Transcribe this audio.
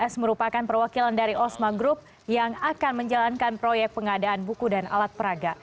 s merupakan perwakilan dari osma group yang akan menjalankan proyek pengadaan buku dan alat peraga